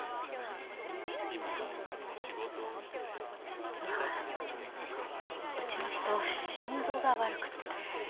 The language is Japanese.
実はうちの人心臓が悪くて。